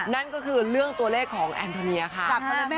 นั่นก็คือเรื่องตัวเลขของแอนโทเนียค่ะ